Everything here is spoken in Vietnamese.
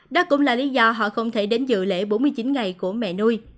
đó cũng là lý do họ không thể đến dự lễ bốn mươi chín ngày của mẹ nuôi